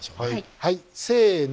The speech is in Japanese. はいせの！